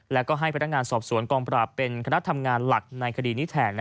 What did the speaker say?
และก็ให้พนักงานสอบสวนกองปราบเป็นคณะทำงานหลักในคดีนี้แทน